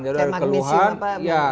kayak magnesium apa